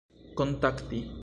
kontakti